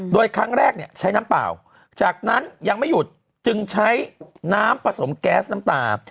โดยครั้งแรกเนี่ยใช้น้ำเปล่าจากนั้นยังไม่หยุดจึงใช้น้ำผสมแก๊สน้ำตา